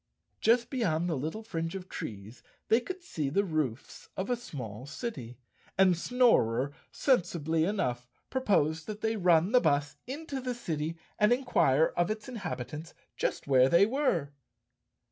Just beyond a little fringe of trees they could see the roofs of a small city, and Snorer, sensibly enough, proposed that they run the bus into the city and inquire of its inhabitants just where they were.